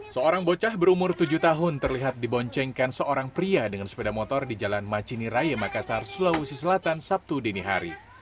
seorang bocah berumur tujuh tahun terlihat diboncengkan seorang pria dengan sepeda motor di jalan macini raya makassar sulawesi selatan sabtu dinihari